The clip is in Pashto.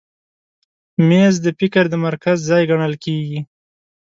مېز د فکر د مرکز ځای ګڼل کېږي.